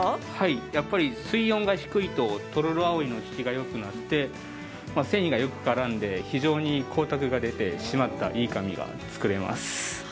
やっぱり水温が低いととろおあおいのひきがよくなって繊維がよく絡んで、光沢のある締まったいい紙ができます。